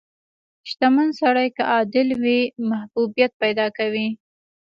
• شتمن سړی که عادل وي، محبوبیت پیدا کوي.